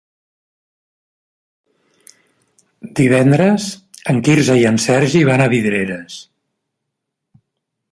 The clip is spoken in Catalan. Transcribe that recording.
Divendres en Quirze i en Sergi van a Vidreres.